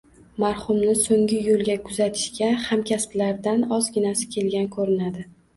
Marhumni so`ngi yo`lga kuzatishga hamkasblardan ozginasi kelgan ko`rinadi